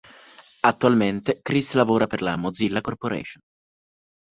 Attualmente Chris lavora per la Mozilla Corporation.